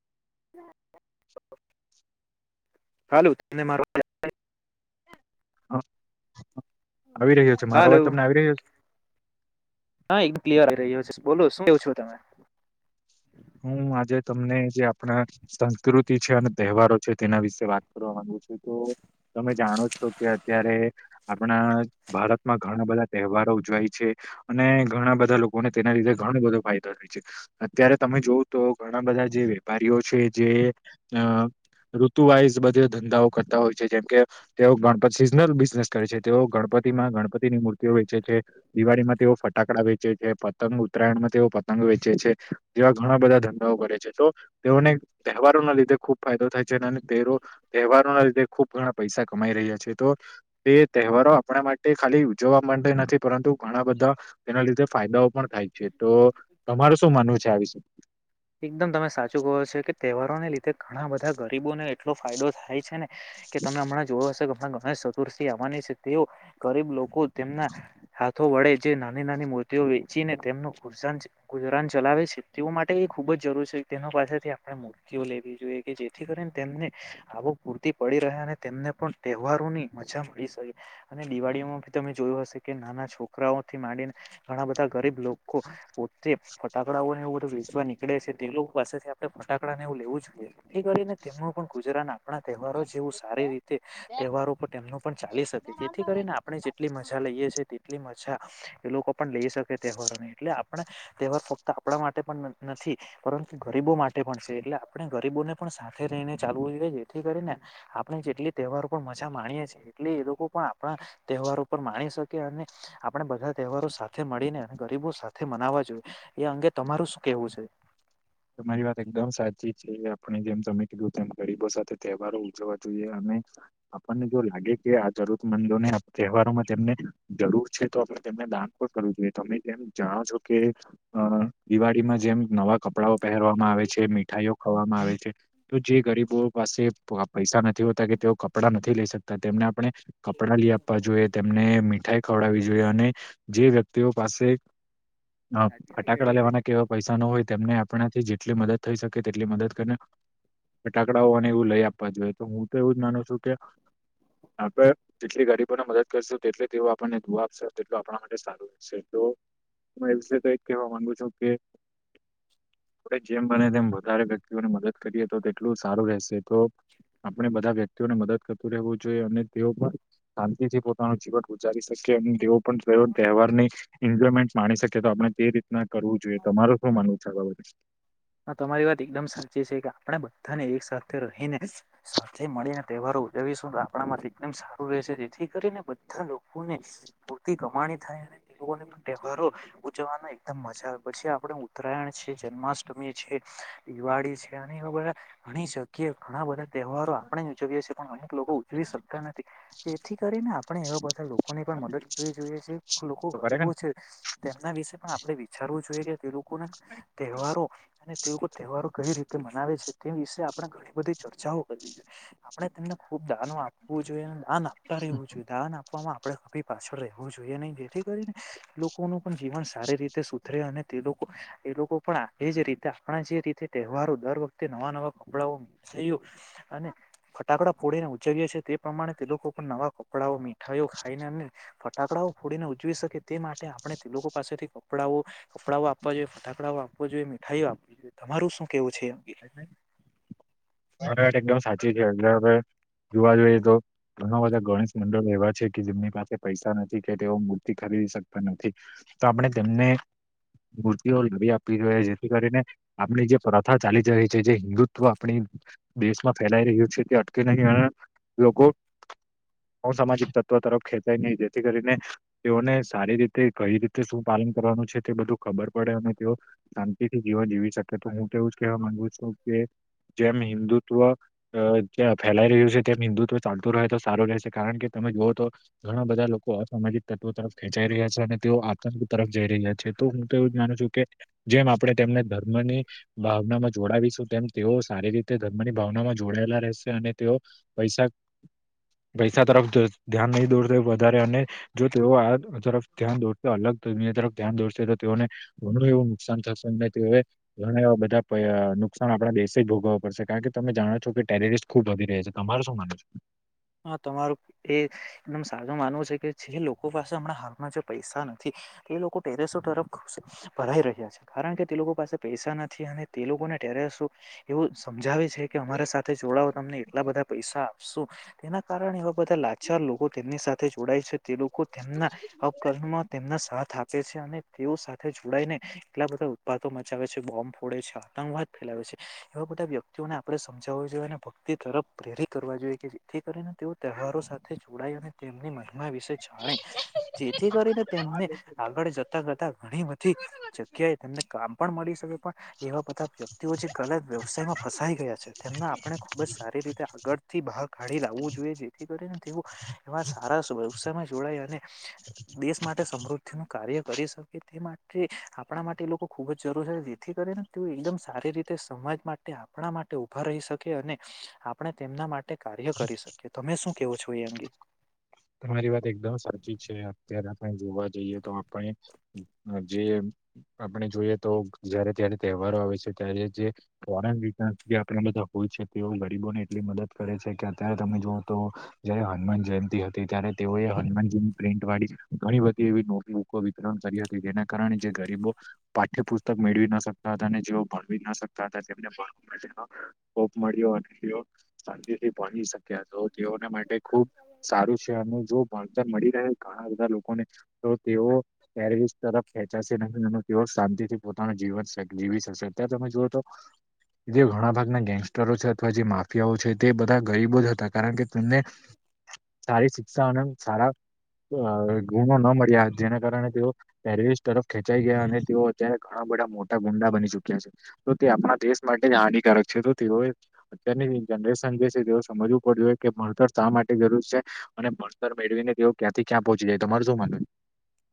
[inaudible] હાલું તને મારો આવી રહ્યો છે મારો હાલો અવાજ તમને આવી રહ્યો છે હા એક ક્લિયર રહ્યો છે બોલો શું કેવું છો તમે હું આજે તમને જે આપણા સંસ્કૃતિ છે અને તહેવારો છે તેના વિશે વાત કરવા માંગુ છું. તો તમે જાણો છો કે અત્યારે આપણા ભારતમાં ઘણા બધા તહેવારો ઉજવાય છે અને ઘણા બધા લોકોને તેના લીધે-' ઘણો બધો ફાયદો થાય છે અત્યારે તમે જોવ તો ઘણા બધા જે વેપારીઓ છે જે અ, ઋતુ વાઈઝ બધે ધંધાઓ કરતા હોય છે જેમ કે તેઓ ગણપત સિઝનલ બિઝનેસ કરે છે તેઓ ગણપત ગણપતિ માં ગણપતિની મૂર્તિઓ વેચે છે. દિવાળીમાં તેઓ ફટાકડા વે છે. છે પતંગ ઉત્તરાયણમાં તેઓ પતંગ વેચે છે જેવા ઘણા બધા ધંધાઓ કરે છે તો તેઓને તહેવારો ના લીધે ખુબ ફાયદો થાય છે અને તેરો તહેવારો ના લીધે ખુબ ઘણા પૈસા કમાઈ રહ્યા છે તો તે તહેવારો આપણા માટે ખાલી ઉજવા નથી પરંતુ ઘણા બધા એના લીધે ફાયદાઓ પણ થાય છે તો તમાર શું માનવું છે આ વિશે એકદમ તમે સાચું કો છ કે તહેવારોને લીધે ઘણા બધા ગરીબોને એટલો ફાયદો થાય છે ને કે તમે હમણાં જોવ હશેો કે હમણાં ચતુર્થી આવવાની છે તેઓ ગરીબ લોકો તેમના હાથો વડે જે નાની નાની મૂર્તિઓ વેચીને તેમનું ગુજરાન ગુજરાન ચલાવે છે તેઓ માટે એ ખૂબ જ જરૂરી છે તેનો પાસેથી આપણે મૂર્તિઓ લેવી જોઈએ કે જેથી કરીને તેમને આવક પૂરતી પડી રહ્યા અને તેમને પણ તહેવારો ની મજા મળી શકે અને દિવાળીમાં ભી તમે જોયું હશે કે નાના છોકરાઓ થી માંડીને ઘણા બધા ગરીબ લોકો પોતે ફટાકડાઓને એવું બધું વેચવા નીકળે છે તે લોકો પાસે ફટાકડાને એવું લેવું જોઈએ એ કરીને તેમનું પણ ગુજરા નાખ આપણા તહેવારો જેવું સારી રીતે તહેવારો પણ તેમનું પણ ચાલી શ જેથી કરીને આપણે જેટલી મજા લઈએ છે તેટલી મજા એ લોકો પણ લઈ શકે તહેવારોને એટલે આપણા તહેવાર ફક્ત આપણા માટે પણ નથી પરંતુ ગરીબો માટે પણ છે એટલે આપણે ગરીબોને પણ સાથે રહીને ચાલુ હોઈઈએ જેથી કરીને આપણે જેટલી તહેવારો પર મજા માણીએીએ એટલી એ લોકો પણ આપણા તહેવારો પર માણી શકી અને આપણે બધા તહેવારો સાથે મળીને અને ગરીબો સાથે મનાવા જોઈએ એ અંગે તમારું શું કેવું છે તમારી વાત એકદમ સાચી છે આપણે જેમ તમે કીધું તેમ ગરીબો સાથે તહેવારો ઉજવા જોઈએ અને આપણને જો લાગે કે આ જરૂરમંદોને તહેવારોમાં તેમને જરૂર છે તો આપ દાન પણ કરવું જોઈએ તમે જેમ જાણો છો કે અ દિવાળીમાં જેમ નવા કપડાઓ પહેરવામાં આવે છે મીઠાઈઓ ખવામાં આવે છે તો જે ગરીબો પાસે પૈસા નથી હોતા કે તેઓ કપડાં નથી લઈ શકતા તેમને આપણે કપડાં લઈ આપવા જોઈએ તેમને મીઠાઈ ખવડાવવી જોઈએ અને જે વ્યક્તિઓ પાસે સાચી ને ફટાકડા ગેરોડી લેવાના કેવા પૈસા ન હોય તેમને આપણાથી જેટલી મદદ થઈ શકે તેટલી મદદ કરી ફટાકડાઓ અને એવું લઈ આપવા જોઈએ તો હું તો એવું જ માનું છું કે આપડે જેટલી ગરીબોને મદદ કરશું તેટલી તેઓ આપણને દુ આપશે તેટલ આપણા માટે સારું રહેશે એટ એ વિશે તો કેવા માંગુ છું કે આપ જેમ બને તેમ વધારે વ્યક્તિઓને મદદ કરીએ તો તેટલું સારું રહેશે તો આપણે બધા વ્યક્તિઓને મદદ કરતું રહેવું જોઈએ અને તેઓ પણ શાંતિ થી પોતાનું જીવન ઉચારી શકીકે અને તેઓ પણ તહેવારની એન્જોયમેન્ટ માણી શકે તો તે રીતના કરવું જોઈએ તમારે શું માનવ ખ હા તમારી વાત એકદમ સાચી છે કે આપણે બધાને એક સાથેથે રહીને સાથે મળીને તહેવારો જવીશું તો આપણા થી એકદમ સારું રહેશે જેથી કરીને બધા લોકોને પૂરતી કમાણી થાય પણ તહેવારો ઉજવવાનો એકદમ મજા આવે પછી આપણે ઉત્તરાયણ છએ જન્મા્ટમી છે દિવાળી છે અને એવા બધા ઘણી જગ્યા ઘણા બધા તહેવારો આપણે જ ઉજવીએ છીએ પણ અનેક લોકો ઉજવી શકતા નથી જેથી કરીને આપણે એવા બધા લોકો ની પણ મદદ કરવી જોઈએ છે લોકો તો કરે કે ગરીબો છે તેમના વિશે પણ આપણે ારવું જોઈએ કે તે લોકોને તહેવારો અને તે તહેવારો કઈ રીતે મનાવે છે તે વિશે આપણે ઘણી બધી ચર્ચાઓ કરવી જોઈએ આપણે તેમને દ આપવું જોઈએ દાન આપતા રહેવું જોઈએાન આપવામાં આપે કી પાછળ રવું જોઈએ નહી જેથી કરીને લોકોનું પણ જીવન સારી રીતે સુધરે અને તે લોકો એ લોકો પણ એ જ રીતે આપણા જે રીતે તહેવારો દર વખતે નવા નવા કપડાંઓ મસું અને ફટાકડા ફોડીને ઉવ્ય છે તે પ્રમાણે તે લોકો પણ નવા કપડાંઓ મીઠાઈઓ ખાઈને અને ફટાકડાઓ ફોડીને ઉજવી શકે તે માટે આપણે તે લોકો પાસેથી કપડાંઓ કપડાંઓ આપવા જોઈએ ફટાકડાઓ જોઈએ મીઠાઈઓ આપવી જોઈએ તમારું શું કેવું છે એ અંગે એકદમ સાચી છે આપણે જોવા જોઈએ તો ઘણા બધા ગણેશ મંડળો એવા છે કે જેમની પાસે પૈસા નથી કે તેઓ મૂર્તિ ખરીદી શકતા નથી તો આપણે તેમને મૂર્તિઓ લાવી આપવી જોઈએ જેથી કરીને આપણે જે પ્રથા ચાલી જ રહી છે જે હિન્દુત્વ આપણી દેશમાં ફેલાઈ રહ્યું છે તે અટકે નહીં લોકો સામાજિક તત્ તરફ ખેંચાય નહીં જેથી કરીને તેઓને સારી રીતે કઈ રીતે શું પાલન કરવાનું છે તે બધું ખબર પડે અને તેઓ શાંતિથી જીવન જીવી શકે તો હું તેવું જ કેહેવા માંગુ છું કે જેમ હિન્ંદુત્વં ફેલાઈ રહ્યું છે તેમ હિન્દુત્વ ચાલતું રહે તો સારું રહેશે કારણ કે તો ઘણા બધા લોકો અસામાજિક તત્વો તરફ ખેંચાઈ રહ્યા છે અને તેઓ તરફ જઈ રહ્યા છે તો હું તો એવું જ માનું છું કે જેમ આપણે તેમને ધર્મની ભાવનામાં જોડાવીશું તેમ તેઓ સારી રીતે ધર્મની ભાવનામાં જોડાયેલા રહેશે અને તેઓ પૈસા પૈસા તરફ ધ્યાન નહીં દોર વધારે અને જો તેઓ આ તરફ ધ્યાન દોરતા અલગ તરફ ધ્યાન દોરશે તો તેઓને ઘણું એવું નુકસાન થશેને તે ઘણા એવા બધા નુકસાન આપણા દેશ જ ભોગવવું પડશે કારણ કે તમે જાણો છો કે ટેરેરિસ્ટ ખુબ વધી રહે છે તમાર શું માનું છે હા તમારું એ એકદમ સાજું માનવું છે કે જે લોકો પાસે હમણાં હાલમાં જે પૈસા નથી તે લોકો ટેરેસો તરફ ભરાઈ રહ્યા છે કારણ કે તે લોકો પાસે પૈસા નથી અને તે લોકોને ઠરું એવું સમજાવે છે કે અમારા સાથે જોડાવો તમને એટલા બધા પૈસા આપશું તેના કારણે એવા બધા લાચાર લોકો તેમની સાથે જોડાય છે તે તેમના અકરણમાં તેમના સાથ આપે છે અને તેઓ સાથે જોડાઈને એટલા બધા ઉત્પાદ મચાવે છે બોમ્બ ફોડે છે આતંકવાદ ફેલાવે છે એ બધા વ્યક્તિઓને આપણેે સમજાવવાો જોઈએ ને ભક્તિ તરફ પ્રેરિત કરવા જોઈએ કે જેથી કરીને તેઓ તહેવારો સાથે જોડાય અને તેમની મનમા વિશે જાણે જેથી કરીને ને આગળ જતા કરતા ઘણી બધી જગ્યાએ તેમને કામ પણ મળી શકે પણ એવા બધા વ્યક્તિઓ જે ગલત વ્યવસાયમાં ફસાઈ ગયા છે તેમના આપણે ખુબ જ સારી રીતે આગળથી ભહાગ પાડી લાવવું જોઈએ જેથી કરી ને તેઓ એવા સારા [unintelligible] માં જોડાય અને દેશ માટે સમૃદ્ધિ નું કાર્ય કરી શકે તે માટે આપણા મા ટે એ લોકો ખૂબ જ જરૂર છે જેથી કરીને તેઓ એકદમ સારી રીતે સમાજ માટે આપણા માટે ઉભા રહી શકે અને આપણે તેમના માટે કાર્ય કરી શકીએ તમે શું કેવો છો એ અંગે તમારી વાત એકદમ સાચી છે અત્યારે આપણે જોવા જઈએ તો આપણે જે આપડ જોઈએ તો જયારે ત્યારે તહેવારો આવે છે ત્યારે જે ફોરેન વ આપને બધૂ હોય છે તેઓ ગરીબોને એટલી મદદ કરે છે કે અત્યારે તમે જુઓ તો જય હનુમાન જયંતિ હ, ત્યારે તેઓએ હનુમાનજીની પ્રિન્ટ વાળી ઘણી બધી એવી નોટબુકો વિતરણ કરી હતી જેના કારણે જે ગરીબો પાઠ્યપુસ્તક મેળવી ના શકતા હતા અને જેઓ ભણવી ના શકતા હતા તેમને ભણ કોપ મળ્યો અને તેઓ શાંતિથી પહોંચી શક્યા તો તેઓના માટે ખુબ સારું છે અને જો ભણતર મળી રહે ઘણા બધા લોકોને તો તેઓર [unintelligible] તરફ ખેચાશે તેઓ શાંતિ થી પોતાનું જીવન [unintelligible] જીવી શકશે અત્યારે તમે જુઓ તો જે ઘણા ભાગના ગેંગસ્ટરો છે અથવા જે માફિયાઓ છે તે બધા ગરીબો જ હતા. કારણ કે તેમને સારી શિક્ષાનંદ સારા અ ગુણો ન મળ્યા જેના કારણે તેઓ ટેરિસ તરફ ખેંચાઈ ગયા અને તેઓ અત્યારે ઘણા બદા મોટા ગુંડા બની ચુક્યા છે તો તે આપણા દેશ માટે જ હાનિકારક છે તો તેઓએ અત્યની જનરેશન જે છે તેઓ સમજવું પડ હોય કે, ભણતર શા માટે જરૂર છે. અને ભણતર મેળવી ને તેઓ ક્યાંથી ક્યાં પહોંચી જાય તો તમારે શું માન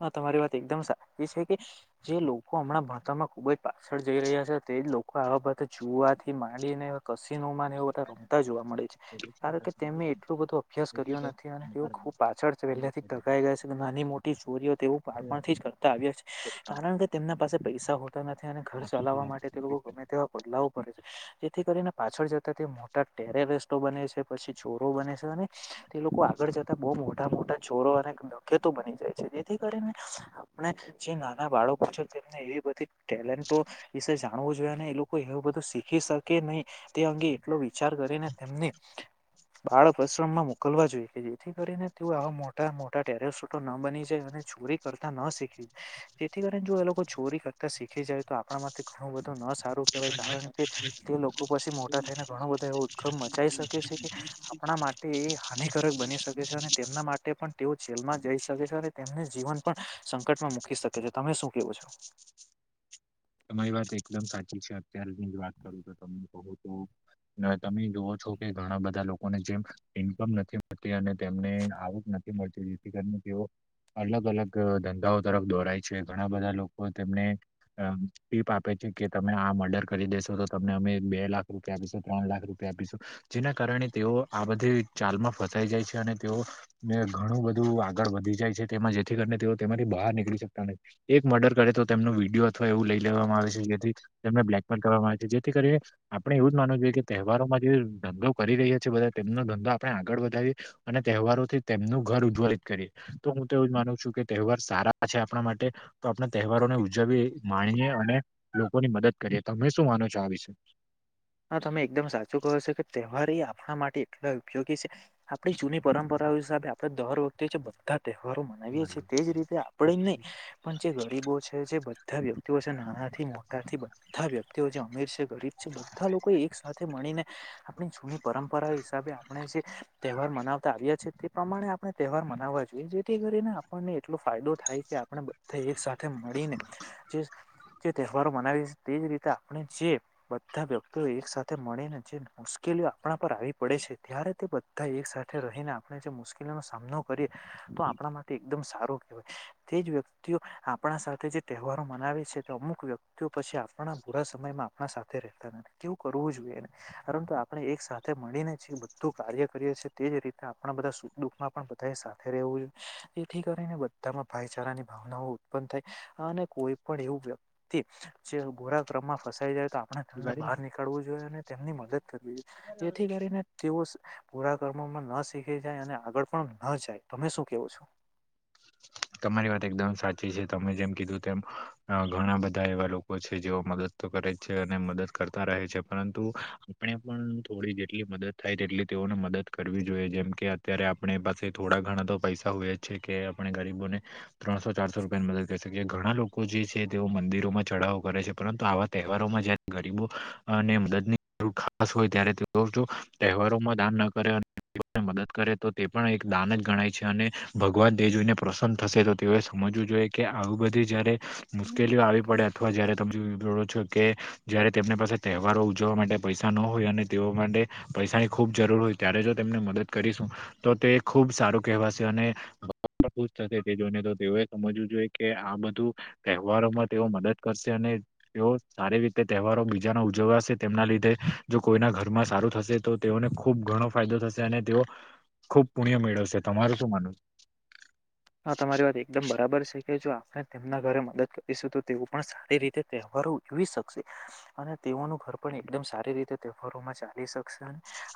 હા તમારી વાત એકદમ સાચી છે કે જે લોકો હમણાં ભણતરમાં ખુબ જ પાછળ જઈ રહ્યા છે એ લોકો આવા બતે જોુવાથી માંડીને કસીનોમાં રમતા જોવા મળે છે કારણ કે તેમ એટલું બધો અભ્યાસ કર્યો નથી અને તેઓ ખુબ પાછળ પેલા થી ટકાઈ ગયા છે ને નાની મોટી તેવો બાળપણથી જ કરતા આવ્યા છે કારણ કે તેમના પાસે પૈસા હોતા નથી અને ઘર ચલાવવા માટે લોકો ગમે તેવા પગલા ઓ ભરે છે જેથી કરી પાછળ જતા તે મોટા ટેરેરસ્ટો બને છે પછી ચોરો બને છે ને તે લોકો આગળ જતા બહુ મોટા મોટા ચોરો અને નખેતો બની જાય જેથી કરીને આપણે જે નાના બાળકો છ તેમને એવી બધી ટેલેન્ટો વિશે જાણવુ જોઈએ ને એ લોકો એવું બધું શીખી શકે નહી તે અંગે એટલો વિચાર કરીને તેમને બાળ પરશ્રમ માં મોકલવા જોઈએ કે જેથી કરીને તે આવા મોટા મોટા ટેરેસટો ના બની ચોરી કરતા ન શીખી જેથી કરી ન જો એ લોકો ચોરી કરતા શીખી જાય તો આપણા માટે ઘણું બધું ન સારું કહેવાય કારણ કે તે લોકો પસી મોટા થઈને ઘણો બધા એવો ઉદગમ મચાઈ શકે છે કે આપણા માટે એ હાનિકારક બની શકે છે અને તેમના માટે પણ તેઓ જેલમાં જઈ શકે છે અને તેમને જીવન પણ સંકટમાં મૂકી શકે છે તમે શું કેવો છો. તમારી વાત એકદમ સાચી છે અત્યારની જ વાત કરું તો તમને બહુ તો, તમે જોુવો છો કે ઘણા બધા લોકોને જેમ ઈન્કમ નથી મળતી અને તેમને આવક નથી મરજી કનું કેવઓ અલગ અલગ અ ધંધાઓ તરફ દોરાય છે ઘણા બધા લોકો તેમને અ ટીપ આપે છે કે તમે આ મર્ડર કરી દેશો તો તમને અમે બે લાખ રૂપિયા આપીશું ત્રણ લાખ રૂપિયા આપીશું. જેના કારણે તેઓ આ બધી ચાલમાં ફસાઈ જાય છે અને તેઓ ઘણું બધું આગળ વધી જાય છે તેમાં જેથી કરીને તેઓ તેમાંથી બહાર નીકળી શકતા નથી એક મર્ડર કરે તો તેમનો વિડીિયો અથવા એવું લઈ લેવામાં આવે છે જેથી તેમને બ્લેકમેલ કરવામાં આવે છે જેથી કરી આપણે એવું જ માનવું જોઈએ કે તહેવારોમાં જે ધંધો કરી રહ્યા છીએ બધા તેમનો ધંધો આપણે આગળ વધાવીએ અને તહેવારોથી, તેમનું ઘર ઉજ્જવલિત કરીએ. તો હું તો એવ જ માનું છું કે તહેવાર સારા છે આપણા માટે તો આપણા તહેવારોને ઉજવી માણીએે અને લોકોની મદદ કરીએ તમે શું માનો છો આ વિશે હા તમે એકદમ સાચું કહો છો કે તહેવાર એ આપણા માટે એટલા ઉપયોગી છે આપણી જૂની પરંપરાઓ હિસાબે આપે દર વખતે જે બધા તહેવારો મનાવીએ છીએ તે જ રીતે આપણે જ નહીં પણ જે ગરીબો છે જે-' બધા વ્યક્તિઓ છે નાનાંથી મોટા થી બધા વ્યક્તિઓ જે અમીર છે ગરીબ છે બધા લો કો એક સાથે મળીને આપણી જૂની પરંપરા હિસાબે આપણે જે તહેવાર મનાવતા આવ્યા છે. તે પ્રમાણે આપણે તહેવાર મનાવવા જોઈએ જેથી કરીને આપણને એટલો ફાયદો થાય કે આપણે બધા એક સાથે મળીને જે તહેવારો મનાવી તે જ રીતે આપણે જે બધા તો એક સાથે મળીને જે મુશ્કેલીઓ આપણા પર આવી પડે છે ત્યારે તે બધા એક સાથે રહીને. મુશ્કેલી ન સામનો કરીએ તો આપણા માટે એકદમ સારો કહેવાય તે જ વ્યક્તિઓ આપણા આપણા સાથે જે તહેવારો મનાવે છે તો અમુક વ્યક્તિઓ પછી આપણા બુરા સમયમાં આપણા સાથે રહેતા નથી. કેવું કરવું જોઈએ પરંતુ આપણે એક સાથે મળીને જે બધું કાર્ય કરીએ છીએ તે જ રીતે આપણા બધા સુખ દુઃખમાં બધાએ સાથે રહેવું જોઈએ તેથી કરીને બધામાં ભાઈચારાની ભાવના ઉત્પન થાય અને કોઈ પણ એવું વ્યક્તિ જે ગોરા ક્રમમાં ફસાઈ જાય આપણે તેમને બહાર નીકળવું જોઈએ અને તેમની મદદ કરવી જોઈએ જેથી કરીને તેઓ પૂરા કર્મમાં ન શીખી જાય અને આગળ પણ ન જાય તમે શું કેવો છો? [inaudible] તમારી વાત એકદમ સાચી છે તમે જેમ કીધું તેમ ઘણા બધા એવા લોકો છે જેઓ મદદ તો કરે છે અને મદદ કરતા રહે છે પરંતુ આપણે પણ થોડી જેટલી મદદ થાય તેટલી તેઓ મદદ કરવી જોઈએ જેમ કે અત્યારે આપણે પાસે થોડા ઘણા તો પૈસા હોય જ છે કે આપણે ગરીબોને ત્રણસો ચારસો રૂપિયા ની મદદ કરી શકીયે ઘણા લોકો જે છે તેઓ મંદિરોમાં ચઢાવો કરે છે. પરંતુ આવા તહેવારોમાં જયારે ગરીબોઅને મદદની જરૂર ખાસ હોય ત્યારે તેઓ [unintelligible] ઘરોમાં દાન ન કરે અને મદદ કરે તો તે પણ એક દાન જ ગણાય છે અને ભગવાન દેવજીને પ્રસન્ન થશે તો તેઓએ સમજવું જોઈએ કે આવું બધી જ્યારે હમ મુશ્કેલીઓ આવી પડે અથવા જયારે [unintelligible] કે જયારે તેમની પાસે તહેવારો ઉજવવા માટે પૈસા ન હોય અને તેઓ માટે પૈસાની ખૂબ જરૂ જર હોય ત્યારે જો તેમને મદદ કરીશું તો તે ખૂબ સારું કહેવાશે અને ખુશ થશે તે જોઈને તો તેઓએ સમજવું જોઈએ કે આ બધું તહેવારોમાં તેઓ મદદ કરશે અને તેઓ સારી રીતે તહેવારો બીજાનો ઉજવાશે તેમના લીધે જો કોઈના ઘરમાં સારું થશે તો તેઓને ખુબ ઘણો ફાયદો થશે અને તેઓ ખુબ પુણ્ય મેળવશે તમારું શું માનવુ હા તમારી વાત એકદમ બરાબર છે. એ જો આપણે તેમના ઘરે મદદ કરીશું તો તેઓ પણ સારી રીતે તહેવારો ઉજવી શકશે. અને તેઓનું ઘર પણ એકદમ સારી રીતે તહેવારોમાં ચાલી શકશે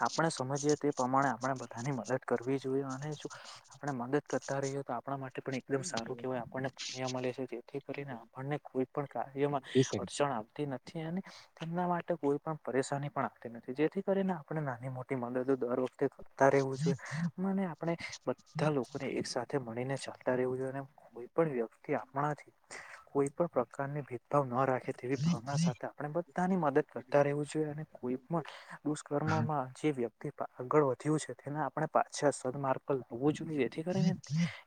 આપણે સમજીએ તે પ્રમાણે આપણે બધાની મદદ કરવી જોઈએ અને જો આપણે મદદ કરતા રહીએ તો તો આપણા માટે પણ એકદમ સારું કેહેવાય આપણને પુણ્યા મળે છે. જેથી કરીને આપણને કોઈ પણ કાર્યમાં ત્રીસ સેકન્ડ. અડચણ આવતી નથી. અને તેમના માટે કોઈ પણ પરેશાની પણ આવતી નથી જેથી કરીને આપણે નાની મોટી મદદો દર વખતે તા રહેવું જોઈ મને આપણે બધા લોકોને એક સાથે મળીને ચાલતા રહેવું જોઈએ અને પણ વ્યક્તિ આપણાથીહ કોઈ પણ પ્રકારની ભેદભાવ ન રાખે તેવી ભાવના સાથે આપણે બધાની મદદ કરતા રહેવું જોઈએ અને કોઈ પણ દુષ્કર્મમાં જે વ્યતિ તે આગળ વધ્યું છે તેના આપણે પાછા સદમાર્ગ પર લાવવું જોઈએ જેથી કરીને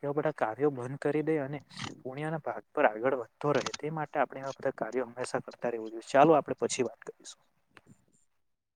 એવા બધા કાર્યો બંધ કરી દે અને પુણિયાના ભાગ પર આગળ વધતો રહે તે માટે આપણે એવા બધા કાર્યો હંમેશા કરતા રેવું જોઈએ ચાલો આપણે પછી વાત કરીશું. [inaudible]